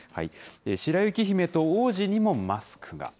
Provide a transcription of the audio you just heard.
白雪姫と王子にもマスクが。